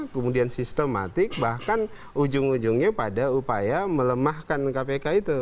kemudian sistematik bahkan ujung ujungnya pada upaya melemahkan kpk itu